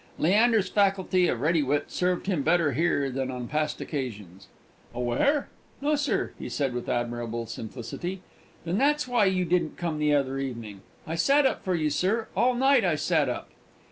Leander's faculty of ready wit served him better here than on past occasions. "Aware? No, sir!" he said, with admirable simplicity. "Then that's why you didn't come the other evening! I sat up for you, sir; all night I sat up."